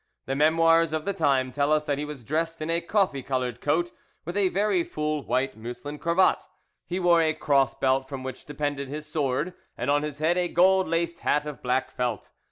The memoirs of the time tell us that he was dressed in a coffee coloured coat, with a very full white muslin cravat; he wore a cross belt from which depended his sword, and on his head a gold laced hat of black felt.